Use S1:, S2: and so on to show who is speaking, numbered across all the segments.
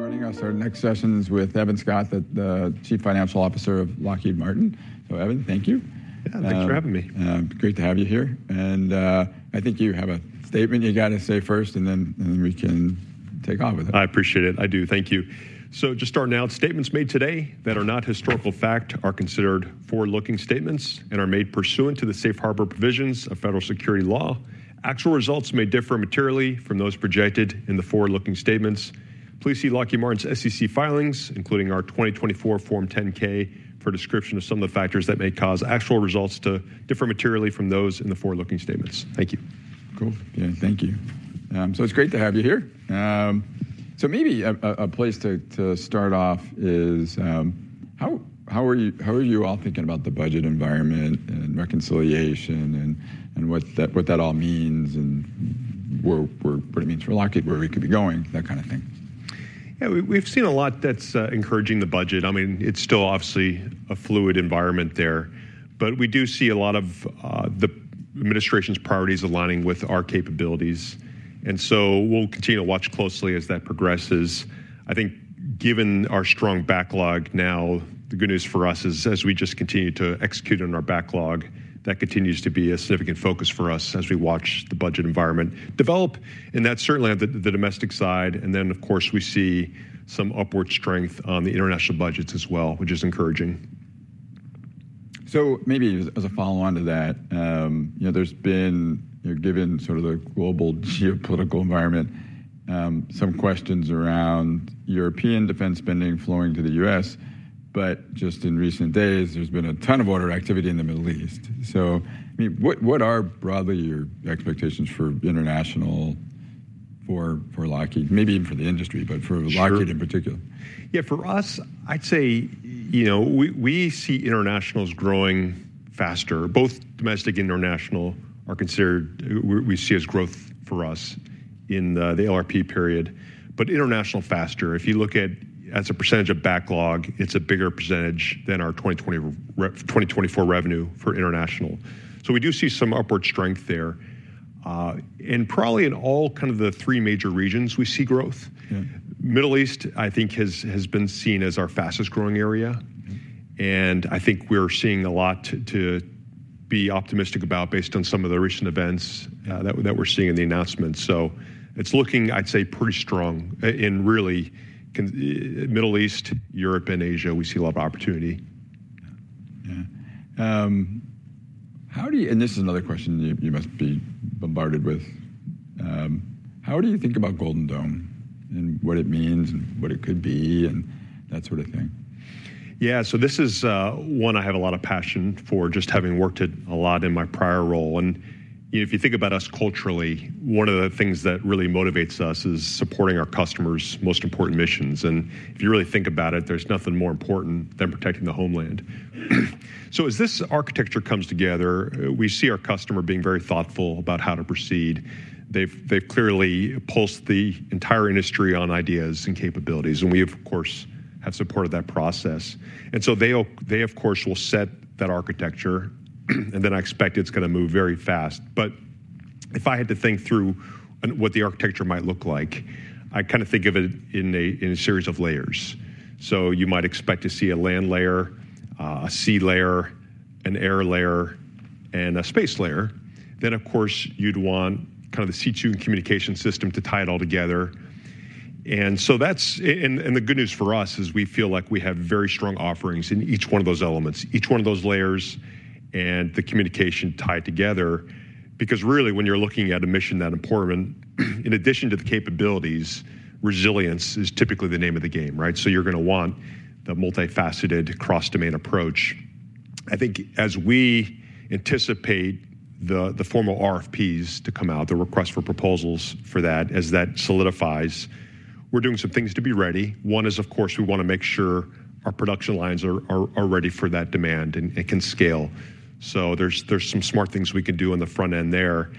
S1: Joining us are next sessions with Evan Scott, The Chief Financial Officer of Lockheed Martin. So Evan, thank you.
S2: Yeah, thanks for having me.
S1: Great to have you here. I think you have a statement you got to say first, and then we can take off with it.
S2: I appreciate it. I do. Thank you. Just starting out, statements made today that are not historical fact are considered forward-looking statements and are made pursuant to the safe harbor provisions of federal security law. Actual results may differ materially from those projected in the forward-looking statements. Please see Lockheed Martin's SEC filings, including our 2024 Form 10-K, for a description of some of the factors that may cause actual results to differ materially from those in the forward-looking statements. Thank you.
S1: Cool. Yeah, thank you. It's great to have you here. Maybe a place to start off is, how are you all thinking about the budget environment and reconciliation and what that all means and what it means for Lockheed Martin, where we could be going, that kind of thing?
S2: Yeah, we've seen a lot that's encouraging the budget. I mean, it's still obviously a fluid environment there, but we do see a lot of the administration's priorities aligning with our capabilities. So, we'll continue to watch closely as that progresses. I think given our strong backlog now, the good news for us is as we just continue to execute on our backlog, that continues to be a significant focus for us as we watch the budget environment develop. That's certainly on the domestic side. Of course, we see some upward strength on the international budgets as well, which is encouraging.
S1: Maybe as a follow-on to that, there's been, given sort of the global geopolitical environment, some questions around European defense spending flowing to the U.S., Just in recent days, there's been a ton of order activity in the Middle East. What are broadly your expectations for international for Lockheed Martin, maybe even for the industry, but for Lockheed Martin in particular?
S2: Yeah, for us, I'd say we see internationals growing faster. Both domestic and international are considered we see as growth for us in the LRP period, but international faster. If you look at, as a percentage of backlog, it's a bigger percentage than our 2024 revenue for international. We do see some upward strength there. Probably in all kind of the three major regions, we see growth. Middle East, I think, has been seen as our fastest-growing area. I think we're seeing a lot to be optimistic about based on some of the recent events that we're seeing in the announcements. It's looking, I'd say, pretty strong. Really, Middle East, Europe, and Asia, we see a lot of opportunity.
S1: Yeah. How do you, and this is another question you must be bombarded with, how do you think about Golden Dome and what it means and what it could be and that sort of thing?
S2: Yeah, so this is one I have a lot of passion for, just having worked it a lot in my prior role. If you think about us culturally, one of the things that really motivates us is supporting our customers' most important missions. If you really think about it, there's nothing more important than protecting the homeland. As this architecture comes together, we see our customer being very thoughtful about how to proceed. They've clearly pulsed the entire industry on ideas and capabilities. We, of course, have supported that process. They, of course, will set that architecture. I expect it's going to move very fast. If I had to think through what the architecture might look like, I kind of think of it in a series of layers. You might expect to see a Land Layer, a Sea Layer, an Air Layer, and a Space Layer. Of course, you'd want kind of the C2 communication system to tie it all together. The good news for us is we feel like we have very strong offerings in each one of those elements, each one of those layers, and the communication tied together. Because really, when you're looking at a mission that important, in addition to the capabilities, resilience is typically the name of the game, right? You're going to want the multifaceted cross-domain approach. I think as we anticipate the formal RFPs to come out, the request for proposals for that, as that solidifies, we're doing some things to be ready. One is, of course, we want to make sure our production lines are ready for that demand and can scale. There are some smart things we can do on the front end there.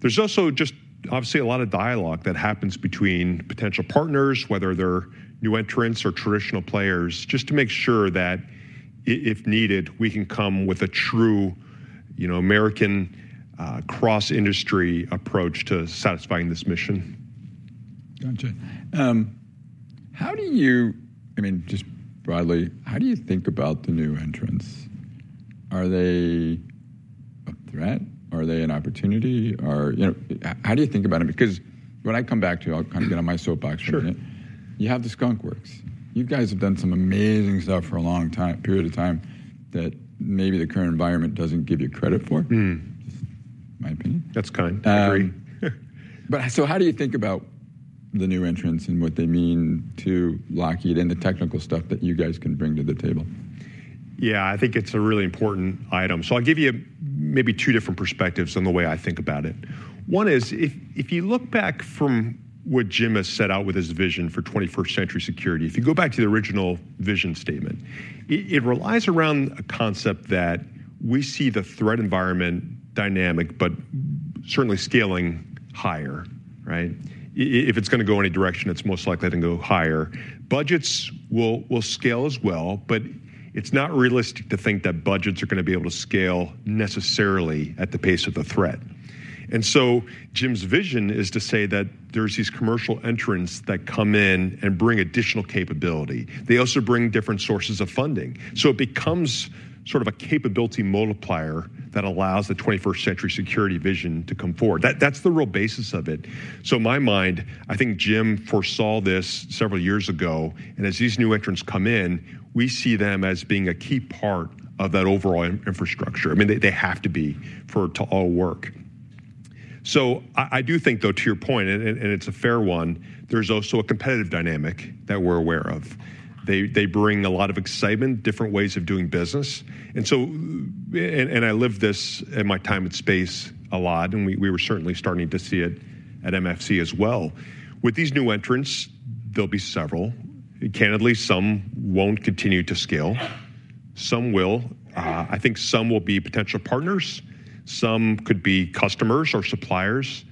S2: There is also just obviously a lot of dialogue that happens between potential partners, whether they are new entrants or traditional players, just to make sure that if needed, we can come with a true American cross-industry approach to satisfying this mission.
S1: Gotcha. How do you, I mean, just broadly, how do you think about the new entrants? Are they a threat? Are they an opportunity? How do you think about them? Because what I come back to, I'll kind of get on my Soapbox for a minute. You have the Skunk Works. You guys have done some amazing stuff for a long period of time that maybe the current environment does not give you credit for, just my opinion.
S2: That's kind. I agree.
S1: How do you think about the new entrants and what they mean to Lockheed and the technical stuff that you guys can bring to the table?
S2: Yeah, I think it's a really important item. I'll give you maybe two different perspectives on the way I think about it. One is if you look back from what Jim has set out with his vision for 21st Century Security-if you go back to the original vision statement, it relies around a concept that we see the threat environment dynamic, but certainly scaling higher, right? If it's going to go any direction, it's most likely going to go higher. Budgets will scale as well, but it's not realistic to think that budgets are going to be able to scale necessarily at the pace of the threat. Jim's vision is to say that there's these commercial entrants that come in and bring additional capability. They also bring different sources of funding. It becomes sort of a capability multiplier that allows the 21st Century Security vision to come forward. That's the real basis of it. In my mind, I think Jim foresaw this several years ago. As these new entrants come in, we see them as being a key part of that overall infrastructure. I mean, they have to be for it to all work. I do think, though, to your point, and it's a fair one, there's also a competitive dynamic that we're aware of. They bring a lot of excitement, different ways of doing business. I lived this in my time at Space a lot, and we were certainly starting to see it at MFC as well. With these new entrants, there will be several. Candidly, some will not continue to scale. Some will. I think some will be potential partners. Some could be customers or suppliers.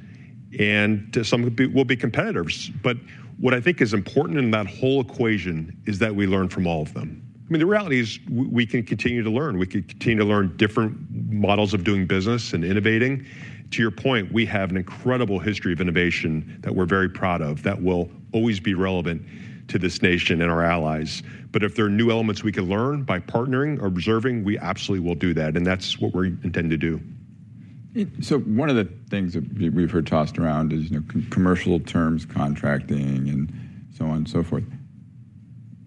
S2: What I think is important in that whole equation is that we learn from all of them. I mean, the reality is we can continue to learn. We can continue to learn different models of doing business and innovating. To your point, we have an incredible history of innovation that we're very proud of that will always be relevant to this nation and our allies. If there are new elements we can learn by partnering or observing, we absolutely will do that. That is what we're intending to do.
S1: One of the things that we've heard tossed around is commercial terms, contracting, and so on and so forth.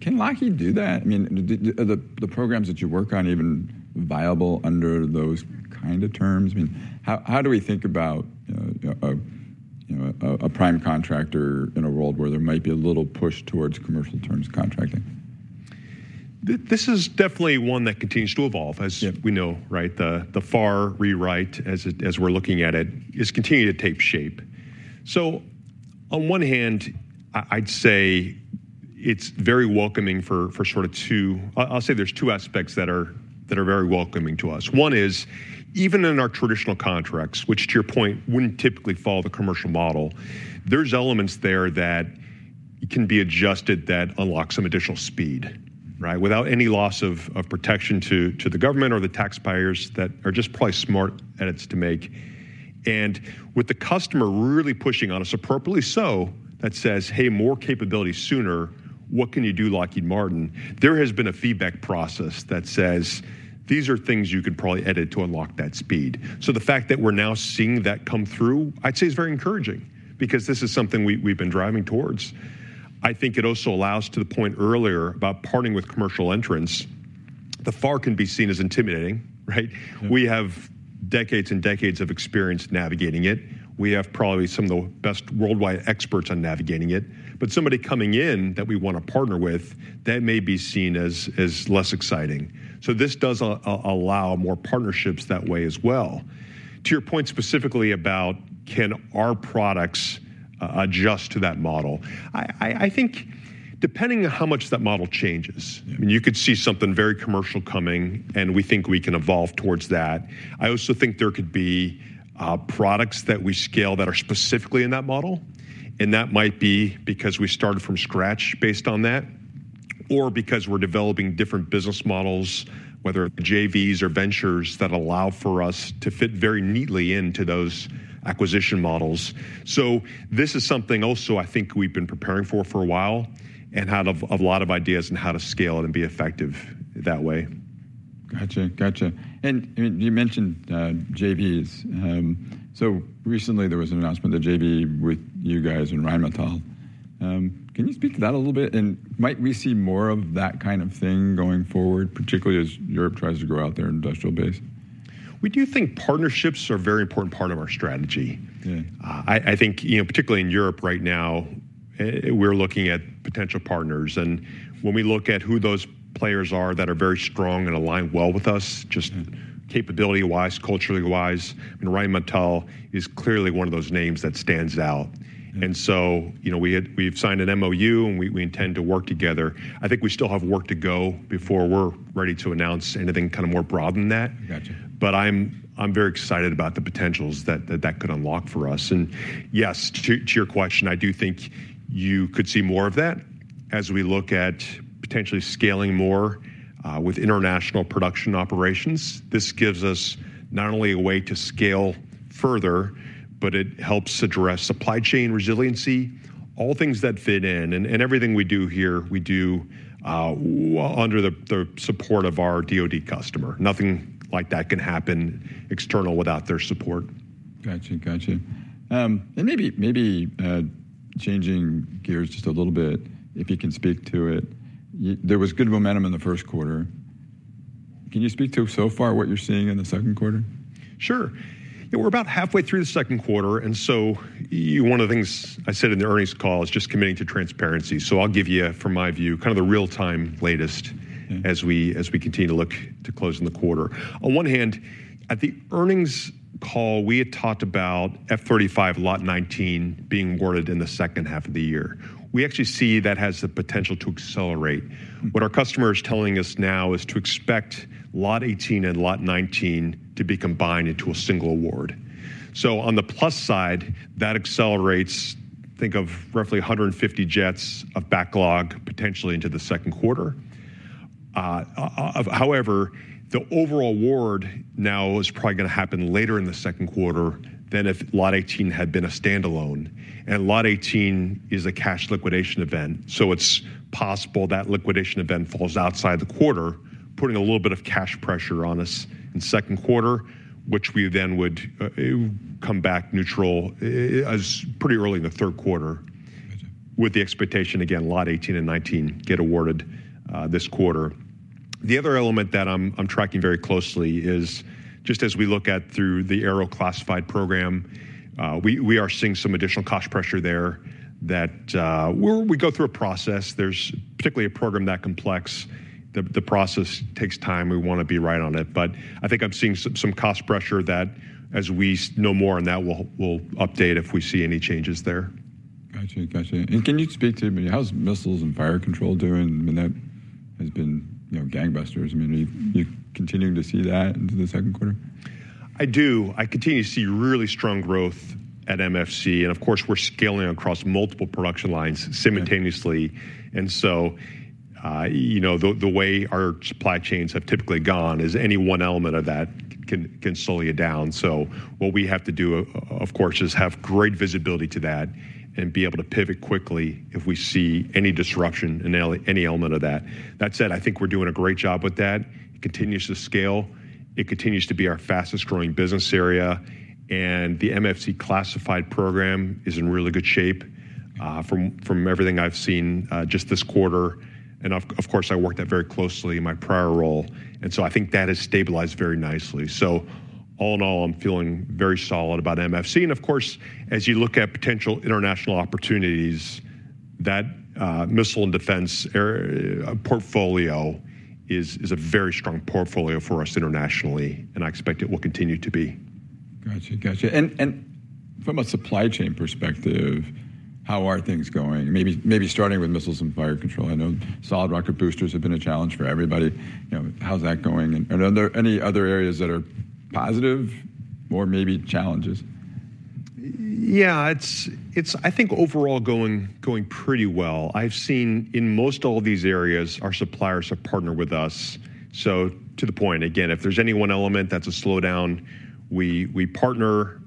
S1: Can Lockheed do that? I mean, the programs that you work on, even viable under those kind of terms, I mean, how do we think about a prime contractor in a world where there might be a little push towards commercial terms contracting?
S2: This is definitely one that continues to evolve, as we know, right? The FAR rewrite, as we're looking at it, is continuing to take shape. On one hand, I'd say it's very welcoming for sort of two, I'll say there's two aspects that are very welcoming to us. One is, even in our traditional contracts, which to your point, wouldn't typically follow the commercial model, there's elements there that can be adjusted that unlock some additional speed, right? Without any loss of protection to the government or the taxpayers that are just probably smart edits to make. With the customer really pushing on us appropriately so, that says, hey, more capability sooner, what can you do, Lockheed Martin? There has been a feedback process that says, these are things you could probably edit to unlock that speed. The fact that we're now seeing that come through, I'd say is very encouraging because this is something we've been driving towards. I think it also allows, to the point earlier about partnering with commercial entrants, the FAR can be seen as intimidating, right? We have decades and decades of experience navigating it. We have probably some of the best worldwide experts on navigating it. Somebody coming in that we want to partner with, that may be seen as less exciting. This does allow more partnerships that way as well. To your point specifically about can our products adjust to that model, I think depending on how much that model changes. I mean, you could see something very commercial coming, and we think we can evolve towards that. I also think there could be products that we scale that are specifically in that model. That might be because we started from scratch based on that, or because we're developing different business models, whether JV Ventures that allow for us to fit very neatly into those acquisition models. This is something also I think we've been preparing for for a while and had a lot of ideas on how to scale it and be effective that way.
S1: Gotcha. Gotcha. You mentioned JV Ventures Recently, there was an announcement of the JV Ventures with you guys and Rheinmetall. Can you speak to that a little bit? Might we see more of that kind of thing going forward, particularly as Europe tries to grow out their industrial base?
S2: We do think partnerships are a very important part of our strategy. I think particularly in Europe right now, we're looking at potential partners. When we look at who those players are that are very strong and align well with us, just capability-wise, culturally-wise, Rheinmetall is clearly one of those names that stands out. We have signed an MoU, and we intend to work together. I think we still have work to go before we're ready to announce anything kind of more broad than that. I am very excited about the potentials that that could unlock for us. Yes, to your question, I do think you could see more of that as we look at potentially scaling more with international production operations. This gives us not only a way to scale further, but it helps address supply chain resiliency, all things that fit in. Everything we do here, we do under the support of our DoD customer. Nothing like that can happen external without their support.
S1: Got it. Got it. Maybe changing gears just a little bit, if you can speak to it, there was good momentum in the first quarter. Can you speak to so far what you're seeing in the second quarter?
S2: Sure. We're about halfway through the second quarter. One of the things I said in the earnings call is just committing to transparency. I'll give you, from my view, kind of the real-time latest as we continue to look to close in the quarter. On one hand, at the earnings call, we had talked about F-35 Lot 19 being awarded in the second half of the year. We actually see that has the potential to accelerate. What our customer is telling us now is to expect Lot 18 and Lot 19 to be combined into a single award. On the plus side, that accelerates, think of roughly 150 jets of backlog potentially into the second quarter. However, the overall award now is probably going to happen later in the second quarter than if Lot 18 had been a standalone. Lot 18 is a cash liquidation event. It is possible that liquidation event falls outside the quarter, putting a little bit of cash pressure on us in second quarter, which we then would come back neutral pretty early in the third quarter with the expectation, again, Lot 18 and 19 get awarded this quarter. The other element that I'm tracking very closely is just as we look at through the Arrow Classified program, we are seeing some additional cost pressure there that we go through a process. There's particularly a program that complex. The process takes time. We want to be right on it. I think I'm seeing some cost pressure that as we know more on that, we'll update if we see any changes there.
S1: Got it. Got it. Can you speak to how's missiles and fire control doing? I mean, that has been gangbusters. I mean, are you continuing to see that into the second quarter?
S2: I do. I continue to see really strong growth at MFC. Of course, we're scaling across multiple production lines simultaneously. The way our supply chains have typically gone is any one element of that can slow you down. What we have to do, of course, is have great visibility to that and be able to pivot quickly if we see any disruption in any element of that. That said, I think we're doing a great job with that. It continues to scale. It continues to be our fastest growing business area. The MFC Classified program is in really good shape from everything I've seen just this quarter. Of course, I worked that very closely in my prior role. I think that has stabilized very nicely. All in all, I'm feeling very solid about MFC. Of course, as you look at potential international opportunities, that missile and defense portfolio is a very strong portfolio for us internationally. I expect it will continue to be.
S1: Got it. Got it. From a supply chain perspective, how are things going? Maybe starting with missiles and fire control. I know solid rocket boosters have been a challenge for everybody. How's that going? Are there any other areas that are positive or maybe challenges?
S2: Yeah, it's, I think overall going pretty well. I've seen in most all these areas, our suppliers have partnered with us. To the point, again, if there's any one element that's a slowdown, we partner.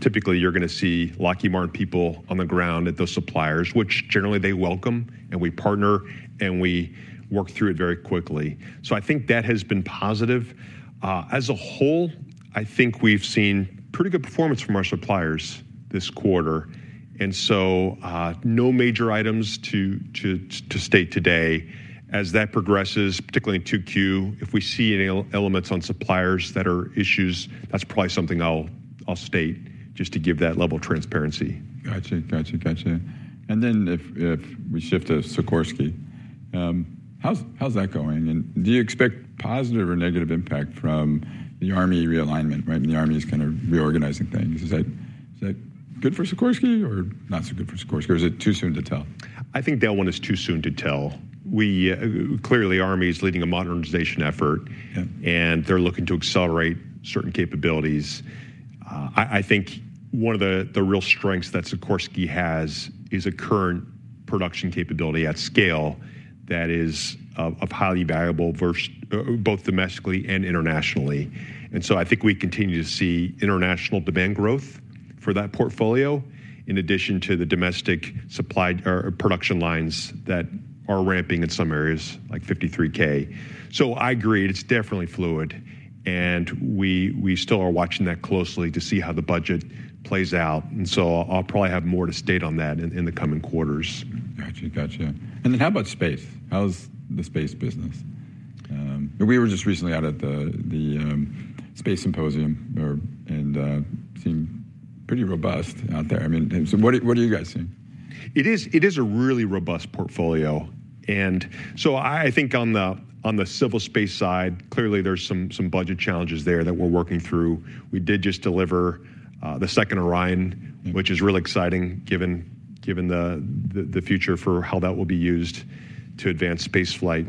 S2: Typically, you're going to see Lockheed Martin people on the ground at those suppliers, which generally they welcome. We partner and we work through it very quickly. I think that has been positive. As a whole, I think we've seen pretty good performance from our suppliers this quarter. No major items to state today. As that progresses, particularly in 2Q, if we see any elements on suppliers that are issues, that's probably something I'll state just to give that level of transparency.
S1: Got it. Got it. And then if we shift to Sikorsky, how's that going? Do you expect positive or negative impact from the army realignment, right? The army's kind of reorganizing things. Is that good for Sikorsky or not so good for Sikorsky? Or is it too soon to tell?
S2: I think day one is too soon to tell. Clearly, the Army's leading a modernization effort, and they're looking to accelerate certain capabilities. I think one of the real strengths that Sikorsky has is a current production capability at scale that is highly valuable both domestically and internationally. I think we continue to see international demand growth for that portfolio in addition to the domestic production lines that are ramping in some areas, like 53K. I agree. It's definitely fluid. We still are watching that closely to see how the budget plays out. I'll probably have more to state on that in the coming quarters.
S1: Got it. Got it. How about space? How's the space business? We were just recently out at the Space Symposium and seemed pretty robust out there. I mean, what are you guys seeing?
S2: It is a really robust portfolio. I think on the civil space side, clearly there are some budget challenges there that we're working through. We did just deliver the second Orion, which is really exciting given the future for how that will be used to advance space flight.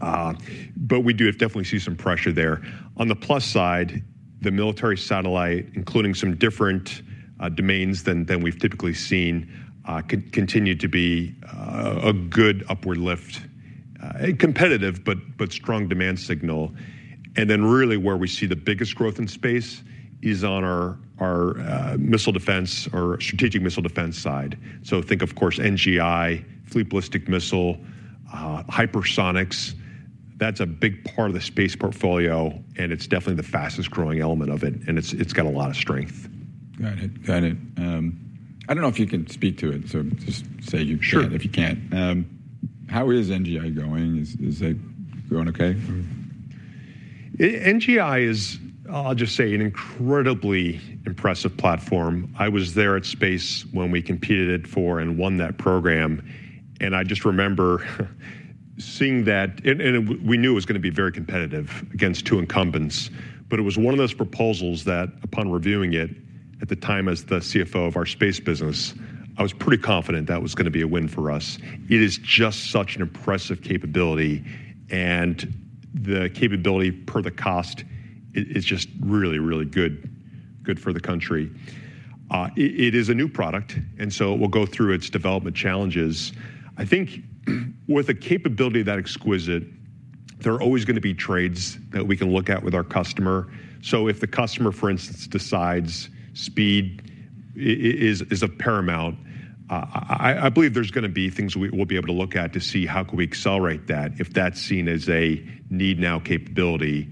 S2: We do definitely see some pressure there. On the plus side, the military satellite, including some different domains than we've typically seen, continues to be a good upward lift, competitive, but strong demand signal. Really where we see the biggest growth in space is on our missile defense or strategic missile defense side. Think, of course, NGI, fleet ballistic missile, hypersonics. That's a big part of the space portfolio, and it's definitely the fastest growing element of it. It's got a lot of strength.
S1: Got it. Got it. I don't know if you can speak to it. Just say if you can. How is NGI going? Is it going okay?
S2: NGI is, I'll just say, an incredibly impressive platform. I was there at Space when we competed for and won that program. I just remember seeing that. We knew it was going to be very competitive against two incumbents. It was one of those proposals that, upon reviewing it at the time as the CFO of our Space business, I was pretty confident that was going to be a win for us. It is just such an impressive capability. The capability per the cost is just really, really good for the country. It is a new product. It will go through its development challenges. I think with a capability that exquisite, there are always going to be trades that we can look at with our customer. If the customer, for instance, decides speed is a paramount, I believe there's going to be things we'll be able to look at to see how can we accelerate that if that's seen as a need now capability.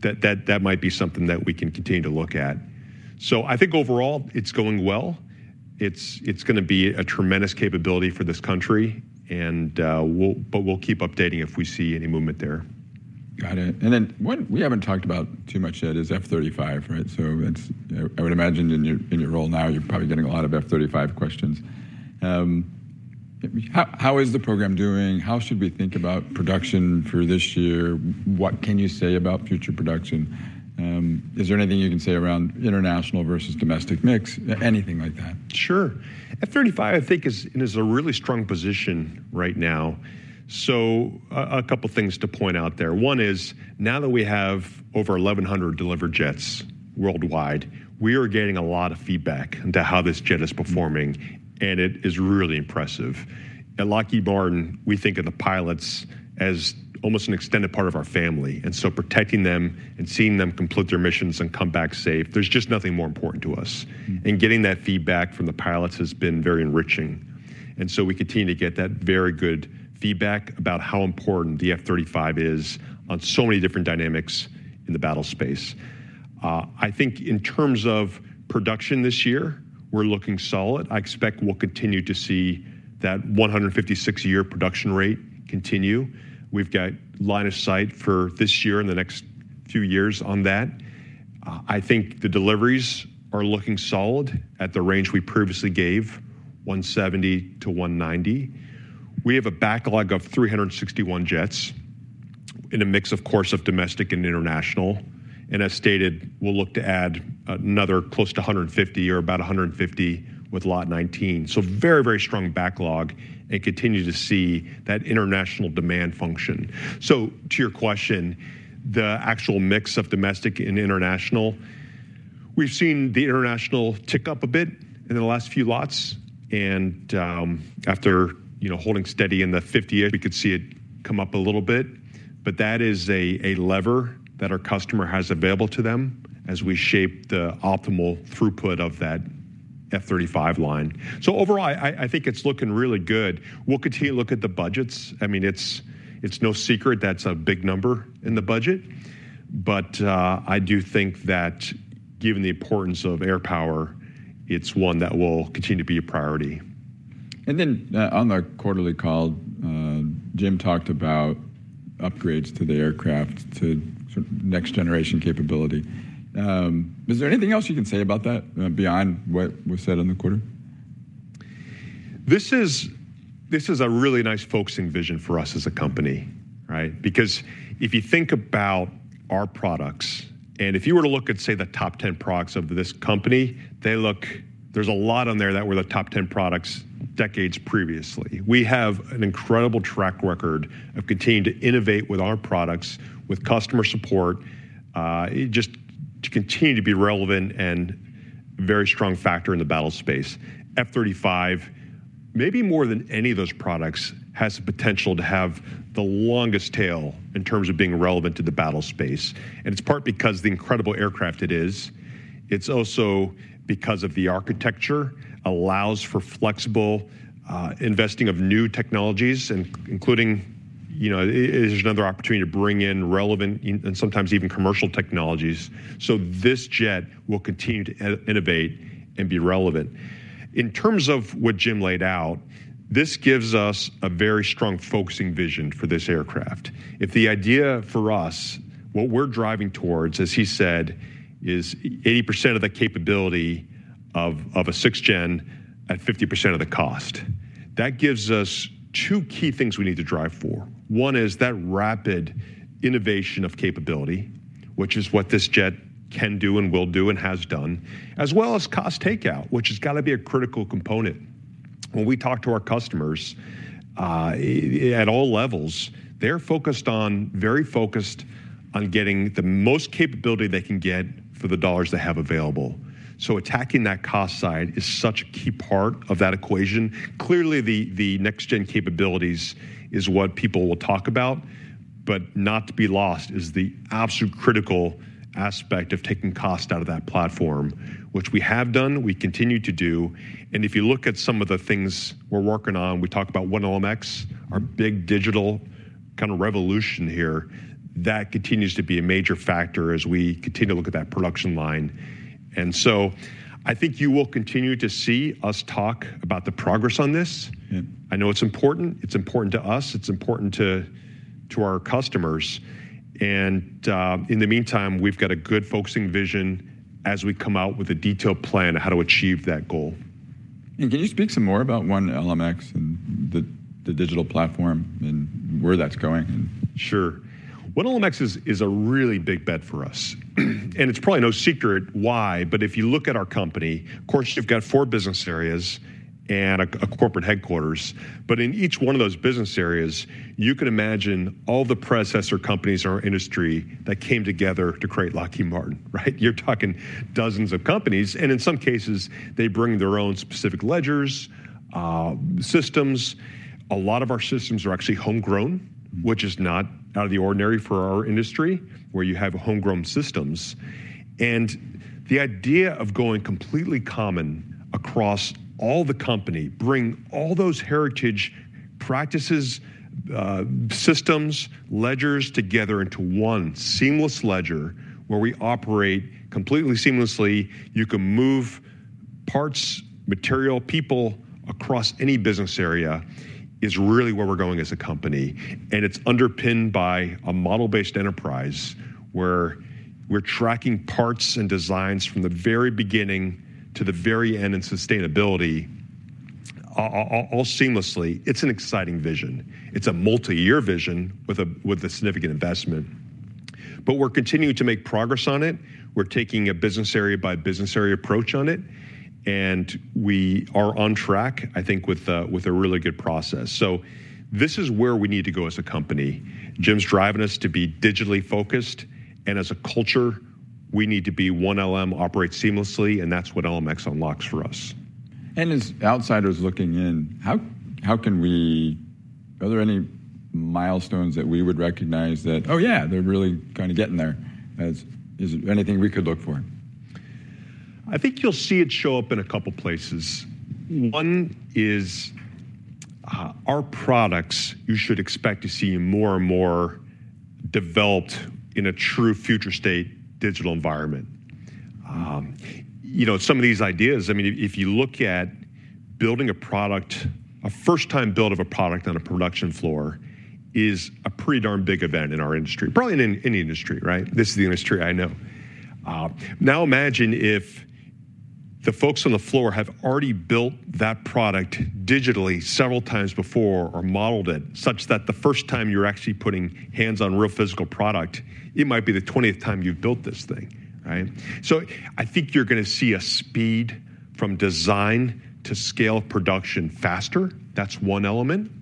S2: That might be something that we can continue to look at. I think overall, it's going well. It's going to be a tremendous capability for this country. We'll keep updating if we see any movement there.
S1: Got it. What we have not talked about too much yet is F-35, right? I would imagine in your role now, you are probably getting a lot of F-35 questions. How is the program doing? How should we think about production for this year? What can you say about future production? Is there anything you can say around international versus domestic mix, anything like that?
S2: Sure. F-35, I think, is in a really strong position right now. A couple of things to point out there. One is now that we have over 1,100 delivered jets worldwide, we are getting a lot of feedback into how this jet is performing. It is really impressive. At Lockheed Martin, we think of the Pilots as almost an extended part of our family. Protecting them and seeing them complete their missions and come back safe, there is just nothing more important to us. Getting that feedback from the Pilots has been very enriching. We continue to get that very good feedback about how important the F-35 is on so many different dynamics in the battlespace. I think in terms of production this year, we are looking solid. I expect we will continue to see that 156-year production rate continue. We've got line of sight for this year and the next few years on that. I think the deliveries are looking solid at the range we previously gave, 170-190. We have a backlog of 361 jets in a mix, of course, of domestic and international. As stated, we'll look to add another close to 150 or about 150 with Lot 19. Very, very strong backlog and continue to see that international demand function. To your question, the actual mix of domestic and international, we've seen the international tick up a bit in the last few lots. After holding steady in the 50, we could see it come up a little bit. That is a lever that our customer has available to them as we shape the optimal throughput of that F-35 line. Overall, I think it's looking really good. We'll continue to look at the budgets. I mean, it's no secret that's a big number in the budget. I do think that given the importance of Air power, it's one that will continue to be a priority.
S1: On the quarterly call, Jim talked about upgrades to the Aircraft to next-generation capability. Is there anything else you can say about that beyond what was said in the quarter?
S2: This is a really nice focusing vision for us as a company, right? Because if you think about our products, and if you were to look at, say, the top 10 products of this company, there's a lot on there that were the top 10 products decades previously. We have an incredible track record of continuing to innovate with our products, with customer support, just to continue to be relevant and a very strong factor in the battlespace. F-35, maybe more than any of those products, has the potential to have the longest tail in terms of being relevant to the battlespace. It is part because of the incredible Aircraft it is. It is also because of the architecture that allows for flexible investing of new technologies, including there's another opportunity to bring in relevant and sometimes even commercial technologies. This jet will continue to innovate and be relevant. In terms of what Jim laid out, this gives us a very strong focusing vision for this aircraft. If the idea for us, what we're driving towards, as he said, is 80% of the capability of a sixth generation at 50% of the cost, that gives us two key things we need to drive for. One is that rapid innovation of capability, which is what this jet can do and will do and has done, as well as cost takeout, which has got to be a critical component. When we talk to our customers at all levels, they're very focused on getting the most capability they can get for the dollars they have available. Attacking that cost side is such a key part of that equation. Clearly, the next-gen capabilities is what people will talk about. Not to be lost is the absolute critical aspect of taking cost out of that platform, which we have done. We continue to do. If you look at some of the things we're working on, we talk about 1LMX, our big digital kind of revolution here. That continues to be a major factor as we continue to look at that production line. I think you will continue to see us talk about the progress on this. I know it's important. It's important to us. It's important to our customers. In the meantime, we've got a good focusing vision as we come out with a detailed plan on how to achieve that goal.
S1: Can you speak some more about 1LMX and the digital platform and where that's going?
S2: Sure. 1LMX is a really big bet for us. It is probably no secret why. If you look at our company, of course, you have four business areas and a corporate headquarters. In each one of those business areas, you can imagine all the predecessor companies in our industry that came together to create Lockheed Martin, right? You are talking dozens of companies. In some cases, they bring their own specific ledgers, systems. A lot of our systems are actually homegrown, which is not out of the ordinary for our industry where you have homegrown systems. The idea of going completely common across all the company, bringing all those heritage practices, systems, ledgers together into one seamless ledger where we operate completely seamlessly. You can move parts, material, people across any business area is really where we are going as a company. It is underpinned by a model-based enterprise where we are tracking parts and designs from the very beginning to the very end and sustainability all seamlessly. It is an exciting vision. It is a multi-year vision with a significant investment. We are continuing to make progress on it. We are taking a business area by business area approach on it. We are on track, I think, with a really good process. This is where we need to go as a company. Jim is driving us to be digitally focused. As a culture, we need to be 1LMX, operate seamlessly. That is what 1LMX unlocks for us.
S1: As outsiders looking in, how can we, are there any milestones that we would recognize that, oh yeah, they're really kind of getting there? Is there anything we could look for?
S2: I think you'll see it show up in a couple of places. One is our products, you should expect to see more and more developed in a true future state digital environment. Some of these ideas, I mean, if you look at building a product, a first-time build of a product on a production floor is a pretty darn big event in our industry, probably in any industry, right? This is the industry I know. Now imagine if the folks on the floor have already built that product digitally several times before or modeled it such that the first time you're actually putting hands on real physical product, it might be the 20th time you've built this thing, right? I think you're going to see a speed from design to scale of production faster. That's one element.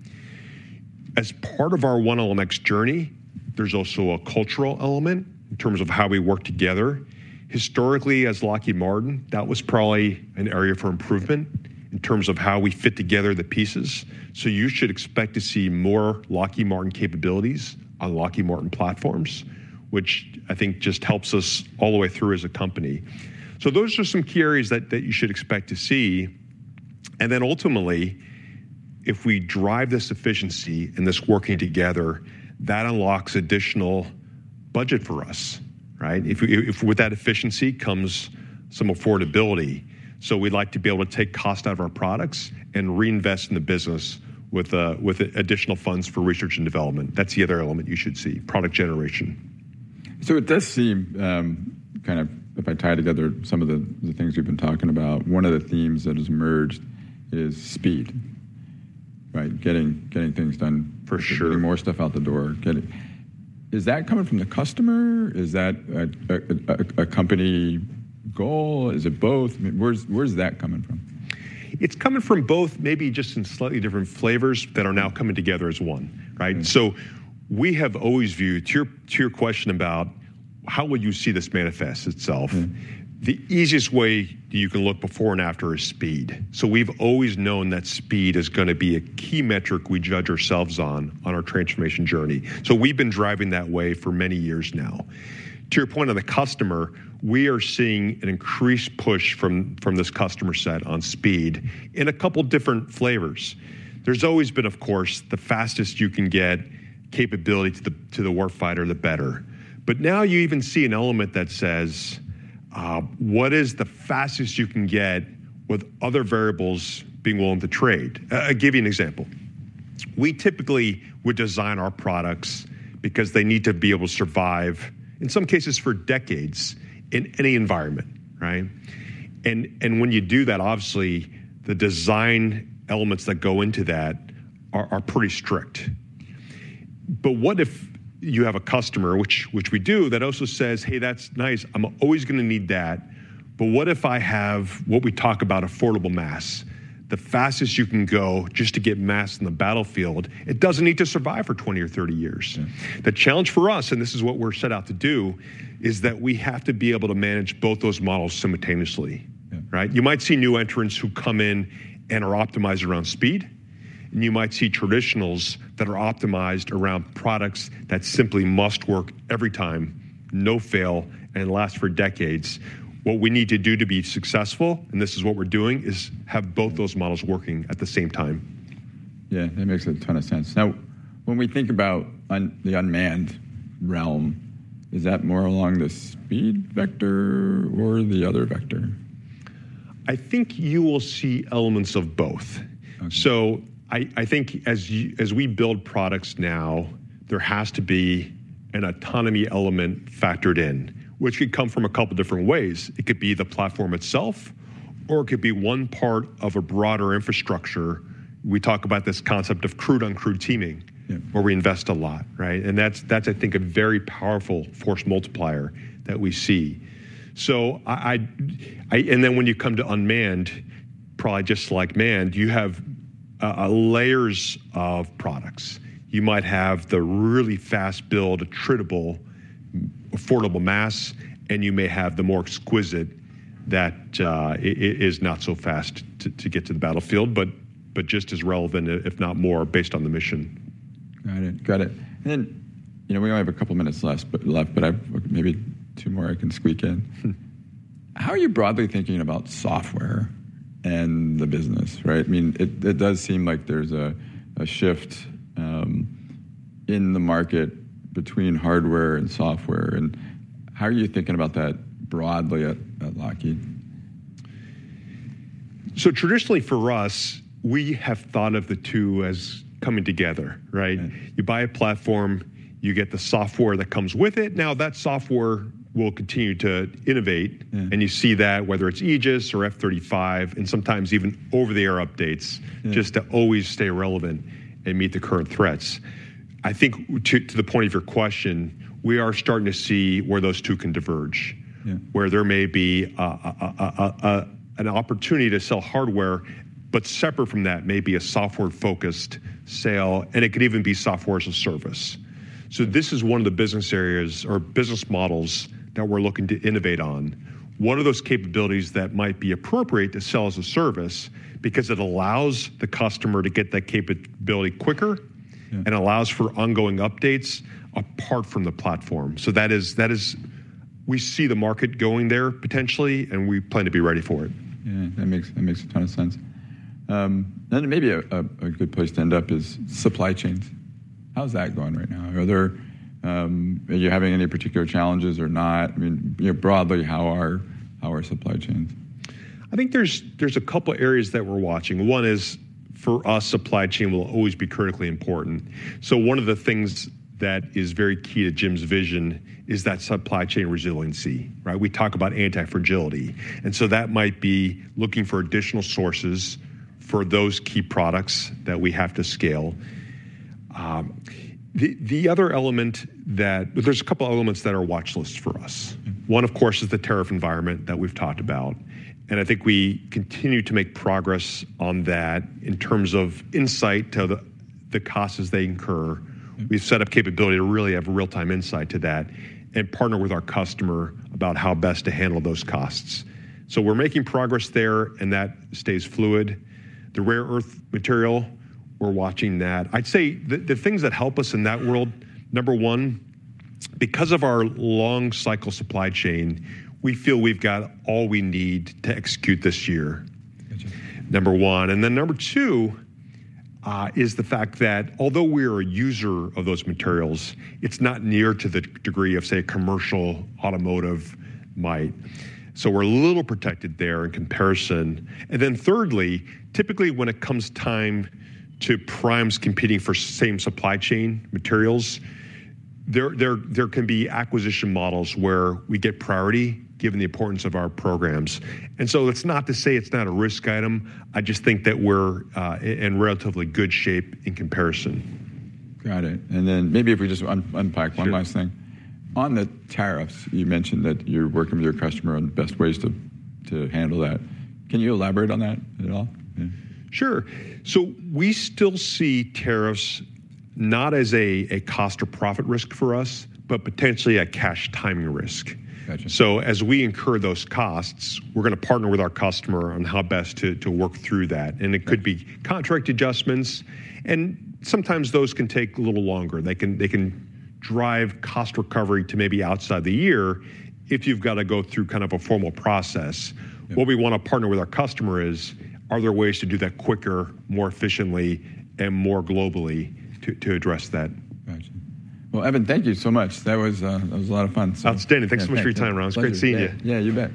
S2: As part of our 1LMX journey, there's also a cultural element in terms of how we work together. Historically, as Lockheed Martin, that was probably an area for improvement in terms of how we fit together the pieces. You should expect to see more Lockheed Martin capabilities on Lockheed Martin platforms, which I think just helps us all the way through as a company. Those are some key areas that you should expect to see. Ultimately, if we drive this efficiency and this working together, that unlocks additional budget for us, right? With that efficiency comes some affordability. We'd like to be able to take cost out of our products and reinvest in the business with additional funds for research and development. That's the other element you should see, product generation.
S1: It does seem kind of if I tie together some of the things we've been talking about, one of the themes that has emerged is speed, right? Getting things done.
S2: For sure.
S1: Putting more stuff out the door. Is that coming from the customer? Is that a company goal? Is it both? Where's that coming from?
S2: It's coming from both, maybe just in slightly different flavors that are now coming together as one, right? We have always viewed, to your question about how would you see this manifest itself, the easiest way you can look before and after is speed. We've always known that speed is going to be a key metric we judge ourselves on on our transformation journey. We've been driving that way for many years now. To your point on the customer, we are seeing an increased push from this customer set on speed in a couple of different flavors. There's always been, of course, the fastest you can get capability to the war fighter, the better. Now you even see an element that says, what is the fastest you can get with other variables being willing to trade? I'll give you an example. We typically would design our products because they need to be able to survive, in some cases, for decades in any environment, right? When you do that, obviously, the design elements that go into that are pretty strict. What if you have a customer, which we do, that also says, hey, that's nice. I'm always going to need that. What if I have what we talk about, affordable mass, the fastest you can go just to get mass on the Battlefield? It does not need to survive for 20 or 30 years. The challenge for us, and this is what we're set out to do, is that we have to be able to manage both those models simultaneously, right? You might see new entrants who come in and are optimized around speed. You might see traditionals that are optimized around products that simply must work every time, no fail, and last for decades. What we need to do to be successful, and this is what we're doing, is have both those models working at the same time.
S1: Yeah, that makes a ton of sense. Now, when we think about the unmanned realm, is that more along the speed vector or the other vector?
S2: I think you will see elements of both. I think as we build products now, there has to be an autonomy element factored in, which could come from a couple of different ways. It could be the platform itself, or it could be one part of a broader infrastructure. We talk about this concept of crewed-uncrewed teaming, where we invest a lot, right? I think that's a very powerful force multiplier that we see. When you come to unmanned, probably just like manned, you have layers of products. You might have the really fast-build, attritable, affordable mass, and you may have the more exquisite that is not so fast to get to the Battlefield, but just as relevant, if not more, based on the mission.
S1: Got it. Got it. We only have a couple of minutes left, but maybe two more I can squeak in. How are you broadly thinking about software and the business, right? I mean, it does seem like there's a shift in the market between hardware and software. How are you thinking about that broadly at Lockheed Martin?
S2: Traditionally for us, we have thought of the two as coming together, right? You buy a platform, you get the software that comes with it. Now that software will continue to innovate. You see that whether it is Aegis or F-35, and sometimes even over-the-air updates just to always stay relevant and meet the current threats. I think to the point of your question, we are starting to see where those two can diverge, where there may be an opportunity to sell hardware, but separate from that may be a software-focused sale. It could even be software as a service. This is one of the business areas or business models that we're looking to innovate on, one of those capabilities that might be appropriate to sell as a service because it allows the customer to get that capability quicker and allows for ongoing updates apart from the platform. That is, we see the market going there potentially, and we plan to be ready for it.
S1: Yeah, that makes a ton of sense. Maybe a good place to end up is supply chains. How's that going right now? Are you having any particular challenges or not? I mean, broadly, how are supply chains?
S2: I think there's a couple of areas that we're watching. One is for us, supply chain will always be critically important. One of the things that is very key to Jim's vision is that supply chain resiliency, right? We talk about anti-fragility. That might be looking for additional sources for those key products that we have to scale. The other element is that there's a couple of elements that are watch lists for us. One, of course, is the tariff environment that we've talked about. I think we continue to make progress on that in terms of insight to the costs as they incur. We've set up capability to really have real-time insight to that and partner with our customer about how best to handle those costs. We're making progress there, and that stays fluid. The rare earth material, we're watching that. I'd say the things that help us in that world, number one, because of our long-cycle supply chain, we feel we've got all we need to execute this year, number one. Number two is the fact that although we are a user of those materials, it's not near to the degree of, say, commercial automotive might. We're a little protected there in comparison. Thirdly, typically when it comes time to primes competing for same supply chain materials, there can be acquisition models where we get priority given the importance of our programs. That's not to say it's not a risk item. I just think that we're in relatively good shape in comparison.
S1: Got it. Maybe if we just unpack one last thing. On the tariffs, you mentioned that you're working with your customer on the best ways to handle that. Can you elaborate on that at all?
S2: Sure. We still see tariffs not as a cost or profit risk for us, but potentially a cash timing risk. As we incur those costs, we're going to partner with our customer on how best to work through that. It could be contract adjustments. Sometimes those can take a little longer. They can drive cost recovery to maybe outside the year if you've got to go through kind of a formal process. What we want to partner with our customer on is, are there ways to do that quicker, more efficiently, and more globally to address that?
S1: Gotcha. Evan, thank you so much. That was a lot of fun.
S2: Outstanding. Thanks so much for your time, Ronald. It's great seeing you.
S1: Yeah, you bet.